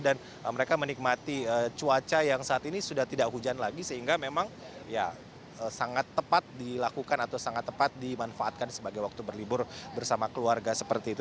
dan mereka menikmati cuaca yang saat ini sudah tidak hujan lagi sehingga memang ya sangat tepat dilakukan atau sangat tepat dimanfaatkan sebagai waktu berlibur bersama keluarga seperti itu